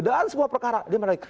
dan semua perkaranya